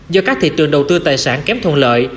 do các thị trường đầu tư tài sản kém thuận lợi